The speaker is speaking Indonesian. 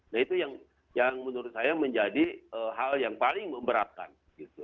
nah itu yang menurut saya menjadi hal yang paling memberatkan gitu